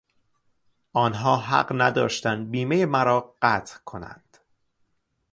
آنها حق نداشتند بیمهی مرا قطع کنند.